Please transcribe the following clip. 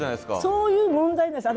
そういう問題なんです。